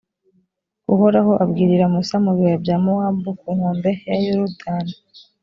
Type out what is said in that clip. uhoraho abwirira musa mu bibaya bya mowabu ku nkombe ya yorudani